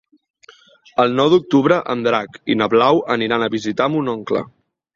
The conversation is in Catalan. El nou d'octubre en Drac i na Blau aniran a visitar mon oncle.